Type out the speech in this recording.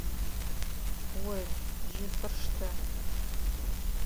Ол, жьыфыр штэ!